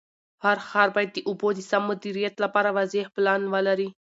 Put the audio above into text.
هر ښار باید د اوبو د سم مدیریت لپاره واضح پلان ولري.